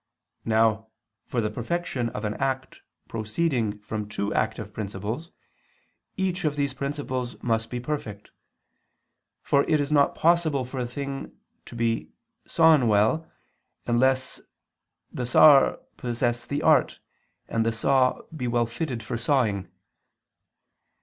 Now, for the perfection of an act proceeding from two active principles, each of these principles must be perfect: for it is not possible for a thing to be sawn well, unless the sawyer possess the art, and the saw be well fitted for sawing.